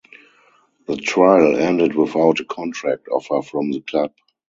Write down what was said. The trial ended without a contract offer from the club.